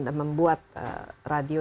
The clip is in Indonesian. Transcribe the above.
dan membuat radio